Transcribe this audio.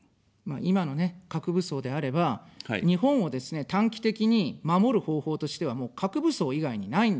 今のね、核武装であれば、日本をですね、短期的に守る方法としては、もう核武装以外にないんです。